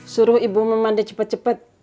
suruh ibu memandai cepet cepet